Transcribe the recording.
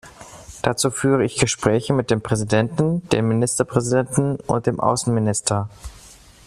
Dazu führte ich Gespräche mit dem Präsidenten, dem Ministerpräsidenten und dem Außenminister.